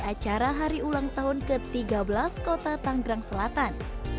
acara hari ulang tahun ke tiga belas kota tanggerang selatan